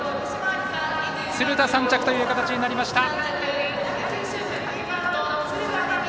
鶴田、３着という形になりました。